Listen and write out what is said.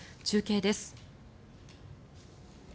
中継です。